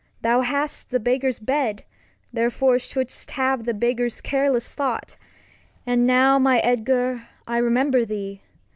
Thou hast the Beggar's Bed, Therefore shoud'st have the Beggar's careless Thought. And now, my Edgar, I remember thee.